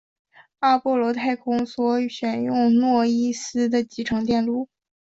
阿波罗太空梭选用诺伊斯的集成电路。